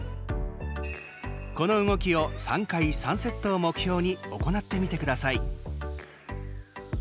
この動きを３回、３セットを目標に行ってみてください。